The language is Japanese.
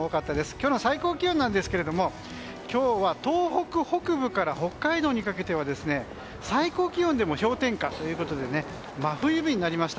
今日の最高気温ですが東北北部から北海道にかけて最高気温でも氷点下ということで真冬日になりました。